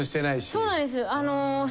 そうなんですよ。